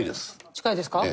近いですか？